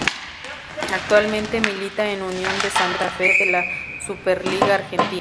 Actualmente milita en Unión de Santa Fe de la Superliga Argentina.